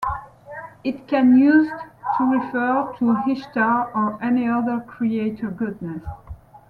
It can used to refer to Ishtar or any other Creator Goddess.